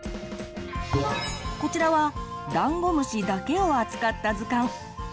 こちらはダンゴムシだけを扱った図鑑。